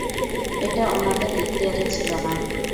এটা উনাদের এখতিয়ারে ছিল না।